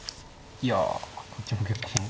いやこっちも結構。